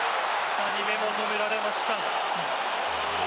２人目も止められました。